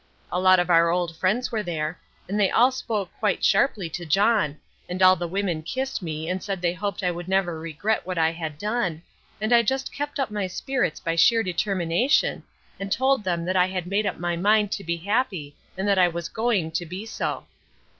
A lot of our old friends were there, and they all spoke quite sharply to John, and all the women kissed me and said they hoped I would never regret what I had done, and I just kept up my spirits by sheer determination, and told them that I had made up my mind to be happy and that I was going to be so.